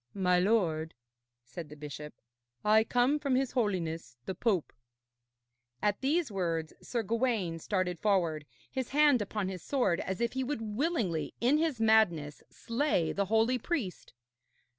'My lord,' said the bishop, 'I come from his Holiness the Pope.' At these words Sir Gawaine started forward, his hand upon his sword, as if he would willingly in his madness slay the holy priest.